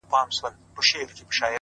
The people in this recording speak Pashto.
د زړو غمونو یاري، انډيوالي د دردونو،